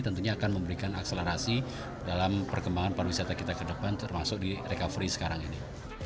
tentunya akan memberikan akselerasi dalam perkembangan pariwisata kita ke depan termasuk di recovery sekarang ini